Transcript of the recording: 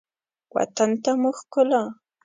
وطن ته مو ښکلا